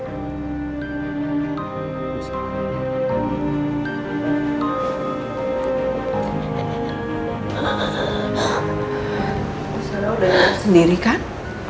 bu sarah udah nyaman sendiri kan